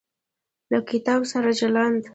له کتاب سره چلند